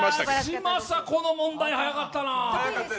嶋佐、この問題早かったな。